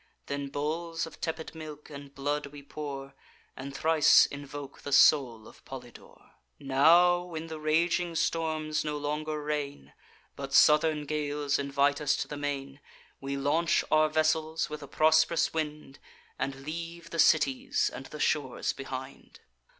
Then bowls of tepid milk and blood we pour, And thrice invoke the soul of Polydore. "Now, when the raging storms no longer reign, But southern gales invite us to the main, We launch our vessels, with a prosp'rous wind, And leave the cities and the shores behind.